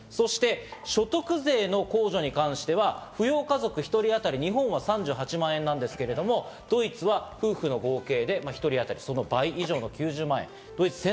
所得税の控除に関しては扶養家族１人当たり日本は３８万円ですけれども、ドイツは夫婦の合計で子供１人当たりその倍の９０万円。